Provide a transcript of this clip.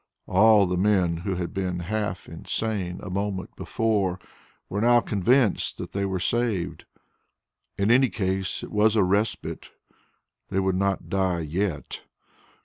All the men who had been half insane a moment before were now convinced that they were saved. In any case, it was a respite; they would not die yet.